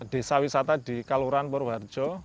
desa wisata di kaluran purwoharjo